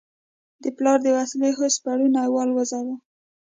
د پلار د وسلې هوس پوړونی والوزاوه.